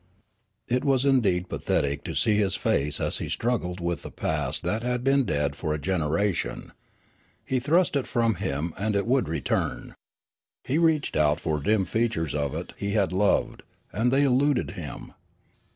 It was indeed pathetic to see his face as he struggled with a past that had been dead for a generation. He thrust it from him and it would return. He reached out for dim features of it he had loved, and they eluded him.